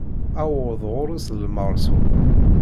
Aweḍ ɣur-s d lmeṛsul.